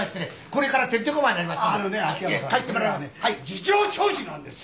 事情聴取なんです！